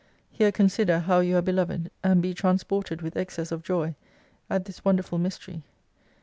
Here consider how you are beloved, and be transported with excess of joy at this wonderful mystery.